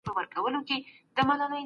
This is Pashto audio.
ټولنه له پوهې ګټه اخلي.